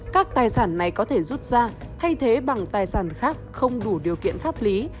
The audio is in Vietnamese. các tài sản này có thể rút ra thay thế bằng tài sản khác không đủ điều kiện pháp lý